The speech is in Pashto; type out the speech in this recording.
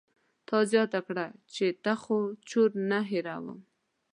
تا زياته کړه چې ته خو چور نه هېروم.